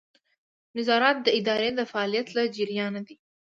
نظارت د ادارې د فعالیت له جریانه دی.